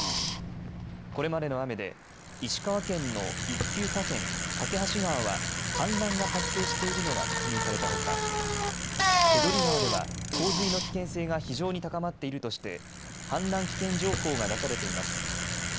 これまでの雨で石川県の一級河川、梯川は氾濫が発生しているのが確認されたほか手取川では洪水の危険性が非常に高まっているとして氾濫危険情報が出されています。